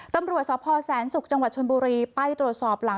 ตำรวจสพแสนศุกร์จังหวัดชนบุรีไปตรวจสอบหลัง